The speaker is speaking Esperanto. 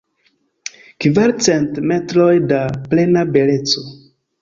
Kvarcent metroj da plena beleco.